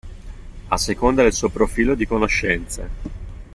A seconda del suo profilo di conoscenze.